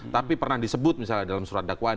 tapi pernah disebut misalnya dalam surat dakwaan